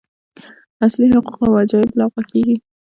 اصلي حقوق او وجایب لغوه کېږي.